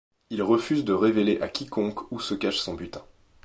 Il refuse de révéler à quiconque où se cache son butin.